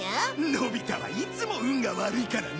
のび太はいつも運が悪いからな。